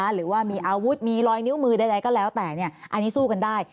หรือว่ามีอาวุธมีรอยนิ้วมือใดก็แล้วแต่อันนี้สู้กันได้